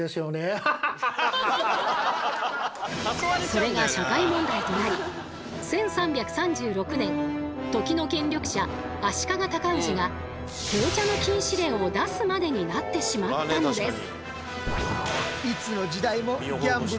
それが社会問題となり１３３６年時の権力者足利尊氏が闘茶の禁止令を出すまでになってしまったのです。